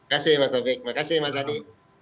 terima kasih mas adi